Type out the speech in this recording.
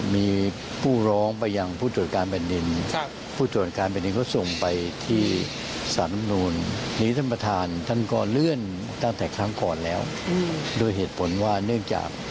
มีผู้ร้องไปยังผู้ตรวจการแบบนิน